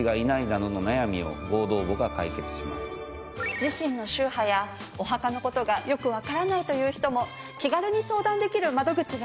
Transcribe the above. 自身の宗派やお墓の事がよくわからないという人も気軽に相談できる窓口があるわよ。